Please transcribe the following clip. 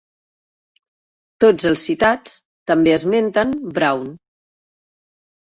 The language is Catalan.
Tots els citats també esmenten Brown.